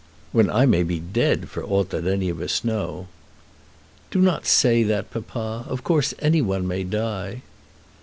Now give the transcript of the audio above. "When I may be dead, for aught that any of us know." "Do not say that, papa. Of course any one may die."